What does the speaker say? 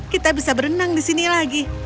kita bisa berenang di sini lagi